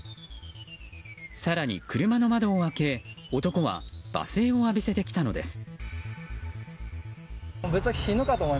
更に車の窓を開け男は罵声を浴びせてきたのです。